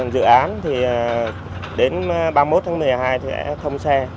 dự án thì đến ba mươi một tháng một mươi hai sẽ thông xe